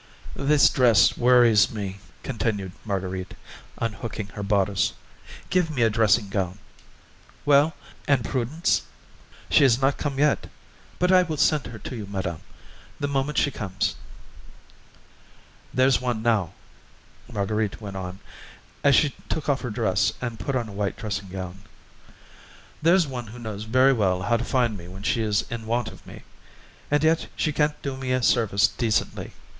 "This dress worries me," continued Marguerite, unhooking her bodice; "give me a dressing gown. Well, and Prudence?" "She has not come yet, but I will send her to you, madame, the moment she comes." "There's one, now," Marguerite went on, as she took off her dress and put on a white dressing gown, "there's one who knows very well how to find me when she is in want of me, and yet she can't do me a service decently.